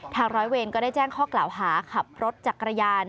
ร้อยเวรก็ได้แจ้งข้อกล่าวหาขับรถจักรยาน